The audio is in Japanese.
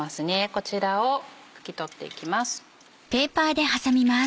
こちらを拭き取っていきます。